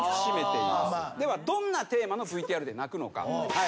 ではどんなテーマのＶＴＲで泣くのか？